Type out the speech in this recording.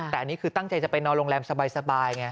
แต่อันนี้คือตั้งใจจะไปนอนโรงแรมสบายไง